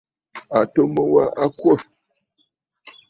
Àtu mu wa a kwô.